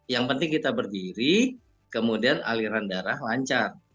yang penting kita berdiri kemudian aliran darah lancar